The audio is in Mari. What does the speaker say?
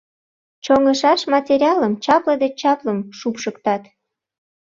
Чоҥышаш материалым чапле деч чаплым шупшыктат.